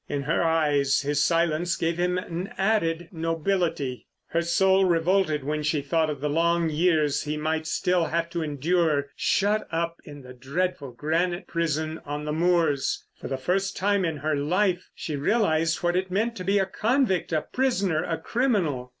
In her eyes, his silence gave him an added nobility. Her soul revolted when she thought of the long years he might still have to endure shut up in the dreadful granite prison on the moors. For the first time in her life she realised what it meant to be a convict, a prisoner, a criminal.